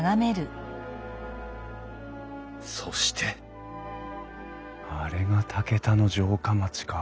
そしてあれが竹田の城下町か。